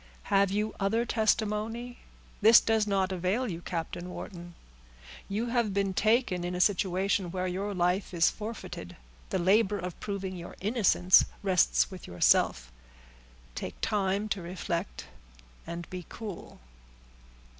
"Have you other testimony? This does not avail you, Captain Wharton. You have been taken in a situation where your life is forfeited; the labor of proving your innocence rests with yourself. Take time to reflect, and be cool."